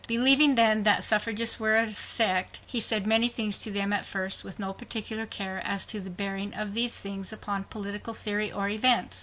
Believing then that suffragists were a sect, he said many things to them at first with no particular care as to the bearing of these things upon political theory or events.